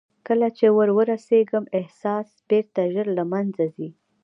کله چې ور رسېږم احساس بېرته ژر له منځه ځي.